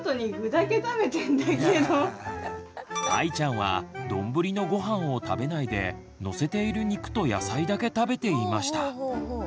あいちゃんはどんぶりのごはんを食べないでのせている肉と野菜だけ食べていました。